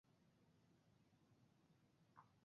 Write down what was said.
"এ" এবং "এস" দুটি পৃথক ব্যক্তি হোক।